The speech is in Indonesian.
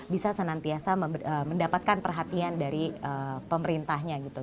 bisa senantiasa mendapatkan perhatian dari pemerintahnya gitu